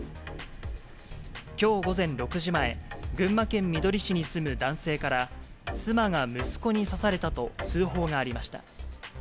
きょう午前６時前、群馬県みどり市に住む男性から、妻が息子に刺されたと通報がありました。